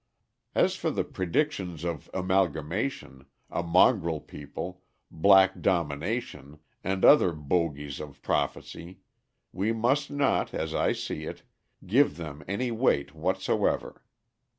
As for the predictions of "amalgamation," "a mongrel people," "black domination," and other bogies of prophecy, we must not, as I see it, give them any weight whatsoever.